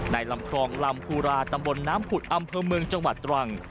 ลำคลองลำภูราตำบลน้ำผุดอำเภอเมืองจังหวัดตรัง